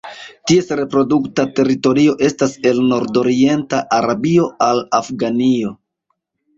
Ties reprodukta teritorio estas el nordorienta Arabio al Afganio.